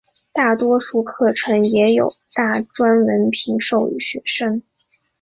大多数课程也有大专文凭授予学生。